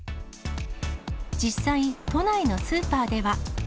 実際、都内のスーパーでは。